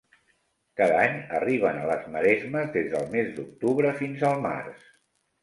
Cada any arriben a les maresmes des del mes d'octubre fins al març.